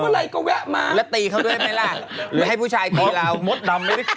แล้วตีเขาด้วยไหมล่ะหรือให้ผู้ชายกินเหล้า